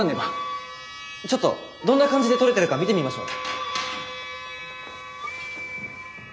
ちょっとどんな感じで撮れてるか見てみましょう。